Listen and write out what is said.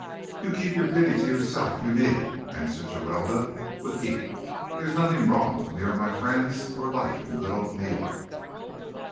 "You keep your pity to yourself. You need it," answered Geralda, with heat. "There's nothing wrong with me or my friends or life in good old New York."